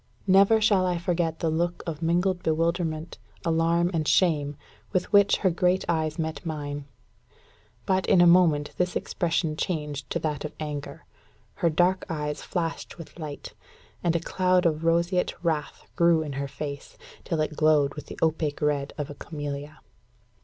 Never shall I forget the look of mingled bewilderment, alarm, and shame, with which her great eyes met mine. But, in a moment, this expression changed to that of anger. Her dark eyes flashed with light; and a cloud of roseate wrath grew in her face, till it glowed with the opaque red of a camellia.